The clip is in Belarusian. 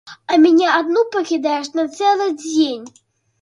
А мяне адну пакідаеш на цэлы дзень.